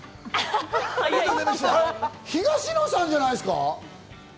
東野さんじゃないですか？